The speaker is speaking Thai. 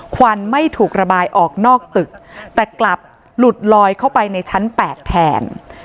ควันไม่ถูกระบายออกนอกตึกแต่กลับหลุดลอยเข้าไปในชั้น๘แทน